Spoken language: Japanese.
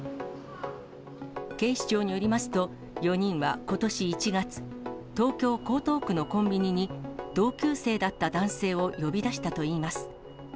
警視庁によりますと、４人はことし１月、東京・江東区のコンビニに同級生だった男性を呼び出したといいます。